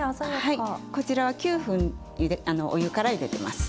こちらは９分あのお湯からゆでてます。